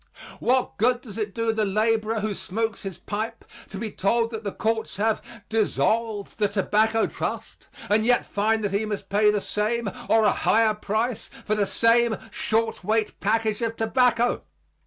What good does it do the laborer who smokes his pipe to be told that the courts have "dissolved" the Tobacco Trust and yet find that he must pay the same or a higher price for the same short weight package of tobacco?